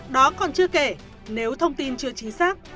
đó còn chưa kể nếu thông tin chưa chính xác